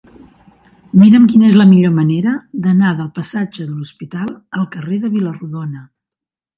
Mira'm quina és la millor manera d'anar del passatge de l'Hospital al carrer de Vila-rodona.